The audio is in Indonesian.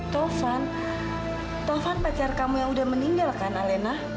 tovan tovan pacar kamu yang udah meninggal kan alena